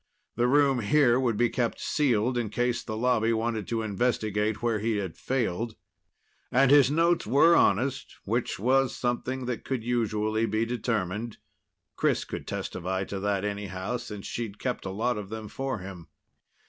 The room here would be kept sealed, in case the Lobby wanted to investigate where he had failed. And his notes were honest, which was something that could usually be determined. Chris could testify to that, anyhow, since she'd kept a lot of them for him.